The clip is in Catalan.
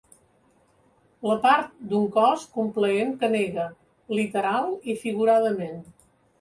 La part d'un cos complaent que nega, literal i figuradament.